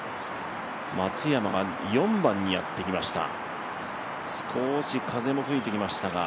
松山が４番にやってきました